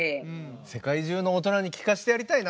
世界中の大人に聞かせてやりたいな。